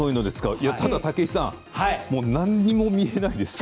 武井さん何も見えないですよ。